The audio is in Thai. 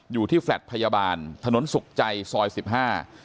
อยู่ที่แฟลตพยาบาลถนนสุกใจซอยสิบห้า